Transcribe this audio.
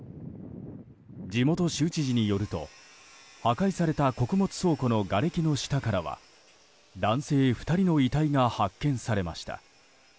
地元州知事によると、破壊された穀物倉庫のがれきの下からは男性２人の遺体が発見されました。